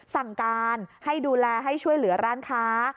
สั่งการให้ดูแลให้ช่วยเหลือร้านค้า